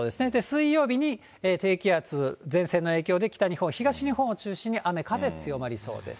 水曜日に低気圧、前線の影響で北日本、東日本を中心に雨風強まりそうです。